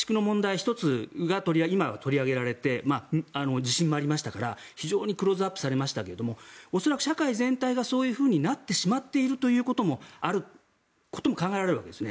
１つが今は取り上げられて地震もありましたから非常にクローズアップされましたが恐らく、社会全体がそういうふうになってしまっていることも考えられるわけですね。